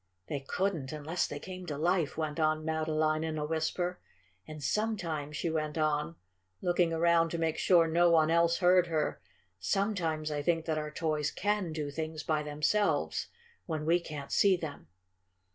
"They couldn't, unless they came to life," went on Madeline in a whisper. "And sometimes," she went on, looking around to make sure no one else heard her, "sometimes I think that our toys CAN do things by themselves when we can't see them."